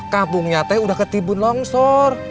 kampungnya teh udah ketimbun lho sor